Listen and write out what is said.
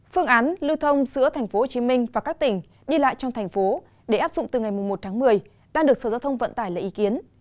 phương án lưu thông giữa tp hcm và các tỉnh đi lại trong thành phố để áp dụng từ ngày một tháng một mươi đang được sở giao thông vận tải lấy ý kiến